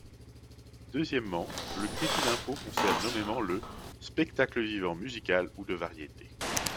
Deuxièmement, le crédit d’impôt concerne nommément le « spectacle vivant musical ou de variétés ».